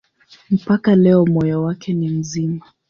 Mpaka leo moyo wake ni mzima.